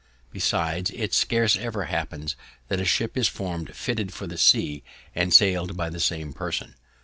Besides, it scarce ever happens that a ship is form'd, fitted for the sea, and sail'd by the same person.